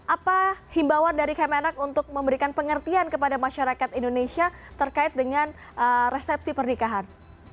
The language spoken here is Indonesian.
apa himbauan dari kemenak untuk memberikan pengertian kepada masyarakat indonesia terkait dengan resepsi pernikahan